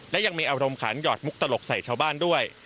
และยังมีอารมณ์ขันหยอดมุกตลกใส่ชาวบ้านด้วย